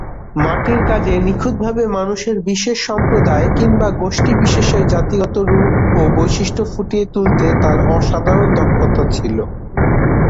মাটির কাজে নিখুঁতভাবে মানুষের বিশেষ সম্প্রদায় কিংবা গোষ্ঠী-বিশেষের জাতিগত রূপ ও বৈশিষ্ট্য ফুটিয়ে তুলতে তার অসাধারণ দক্ষতা ছিল।